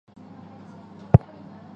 小枝具星状短柔毛。